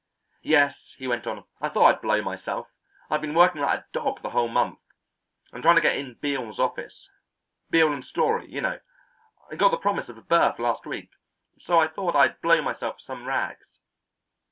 "Yes," he went on, "I thought I'd blow myself. I've been working like a dog the whole month. I'm trying to get in Beale's office. Beale and Storey, you know. I got the promise of a berth last week, so I thought I'd blow myself for some rags.